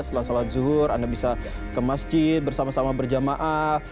setelah salat zuhur anda bisa ke masjid bersama sama berjamaah